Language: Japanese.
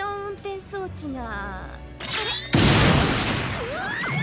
うわ！